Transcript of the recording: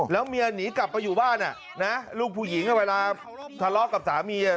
แล้วเมียหนีกลับไปอยู่บ้านลูกผู้หญิงเวลาทะเลาะกับสามี